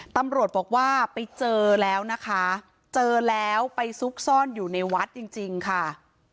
ตำรวจบอกว่าไปเจอแล้วนะคะเจอแล้วไปซุกซ่อนอยู่ในวัดจริงจริงค่ะ